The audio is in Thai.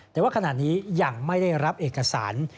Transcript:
แต่ว่าขณะนี้ยังไม่ได้รับเอกสาร